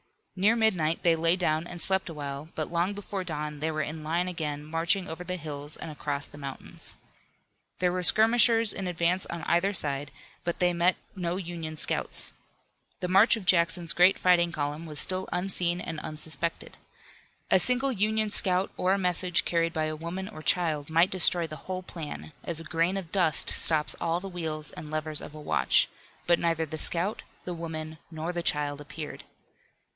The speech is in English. Near midnight they lay down and slept a while, but long before dawn they were in line again marching over the hills and across the mountains. There were skirmishers in advance on either side, but they met no Union scouts. The march of Jackson's great fighting column was still unseen and unsuspected. A single Union scout or a message carried by a woman or child might destroy the whole plan, as a grain of dust stops all the wheels and levers of a watch, but neither the scout, the woman nor the child appeared.